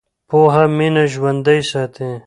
پوهه مینه ژوندۍ ساتي.